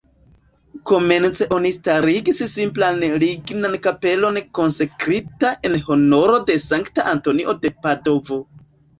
Komence oni starigis simplan lignan kapelon konsekrita en honoro de Sankta Antonio de Padovo.